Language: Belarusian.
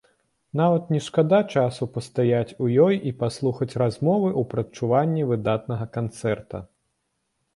Нават не шкада часу пастаяць у ёй і паслухаць размовы ў прадчуванні выдатнага канцэрта.